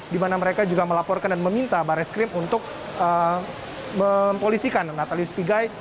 dimana mereka juga melaporkan dan meminta bareskrim untuk mempolisikan natalius pigai